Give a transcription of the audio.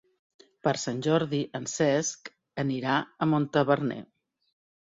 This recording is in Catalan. Per Sant Jordi en Cesc anirà a Montaverner.